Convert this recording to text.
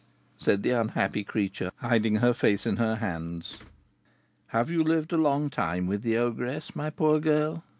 said the unhappy creature, hiding her face in her hands. "Have you lived a long time with the ogress, my poor girl?"